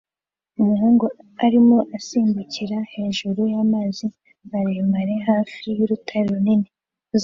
Umuhungu arimo asimbukira hejuru y'amazi maremare hafi y'urutare runini